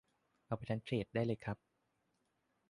เอาไปทั้งเธรดได้เลยครับ